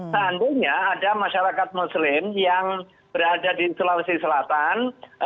seandainya ada masyarakat muslim yang berada di sulawesi selatan